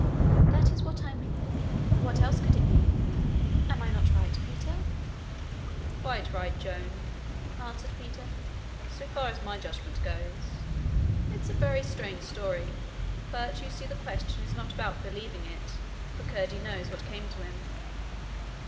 'That is what I mean: what else could it be? Am I not right, Peter?' 'Quite right, Joan,' answered Peter, 'so far as my judgement goes. It is a very strange story, but you see the question is not about believing it, for Curdie knows what came to him.'